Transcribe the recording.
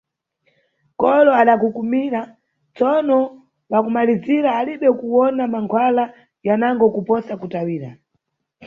Kolo adakukumira, tsono pa kumalizira alibe kuwona mankhwala yanango kuposa kutawira.